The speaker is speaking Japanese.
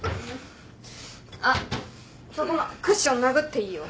あっそこのクッション殴っていいよ。